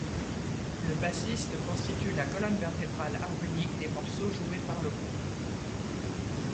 Le bassiste constitue la colonne vertébrale harmonique des morceaux joués par le groupe.